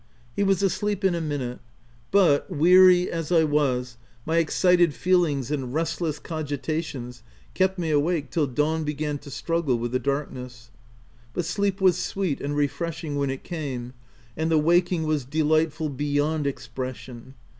He was asleep in a minute ; but, weary as I was, my excited feelings and restless cogitations kept me awake till dawn began to struggle with the darkness ; but sleep was sweet and refreshing when it came, and the waking was delightful beyond expression.